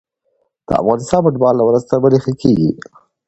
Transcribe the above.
د افغانستان فوټبال ورځ تر بلې ښه کیږي.